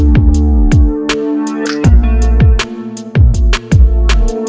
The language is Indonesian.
put put put